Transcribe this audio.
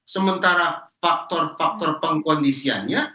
sementara faktor faktor pengkondisiannya